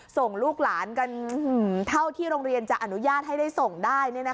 ส่งลูกหลานกันเท่าที่โรงเรียนจะอนุญาตให้ได้ส่งได้